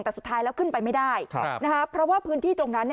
แต่สุดท้ายแล้วขึ้นไปไม่ได้เพราะว่าพื้นที่ตรงนั้น